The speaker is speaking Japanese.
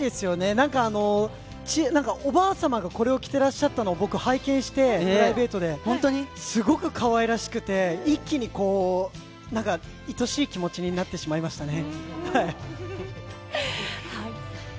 なんかおばあ様がこれを着てらっしゃったのを僕、拝見して、プライベートで、本当にすごくかわいらしくて、一気になんか愛しい気持ちになってしまいましたね。